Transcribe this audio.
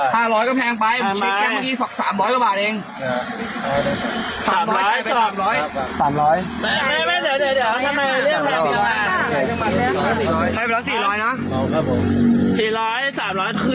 นี่นี่นี่นี่นี่นี่นี่นี่นี่